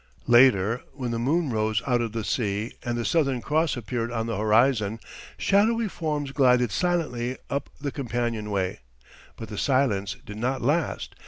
Later, when the moon rose out of the sea and the Southern Cross appeared on the horizon, shadowy forms glided silently up the companionway. But the silence did not last.